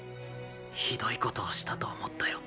酷いことをしたと思ったよ。